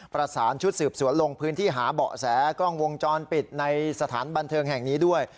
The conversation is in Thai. ประสานชุดสืบสวนลงพื้นที่หาเบาะแสกล้องวงจรปิดในสถานบันเทิงแห่งนี้ด้วย